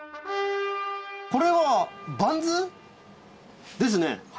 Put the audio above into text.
これはバンズ？ですね。